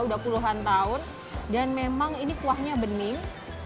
sudah puluhan tahun dan memang kuahnya bening